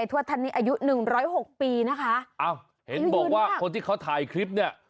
อ้าวเห็นบอกว่าคนที่เขาถ่ายคลิปนี่